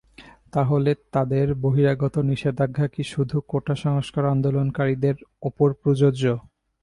তাহলে তাদের বহিরাগত নিষেধাজ্ঞা কি শুধু কোটা সংস্কার আন্দোলনকারীদের ওপর প্রযোজ্য?